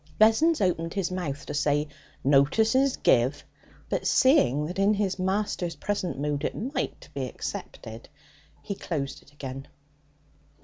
Vessons opened his mouth to say, 'Notice is giv''; but seeing that in his master's present mood it might be accepted, he closed it again.